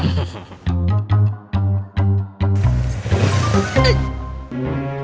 mami selalu ngapain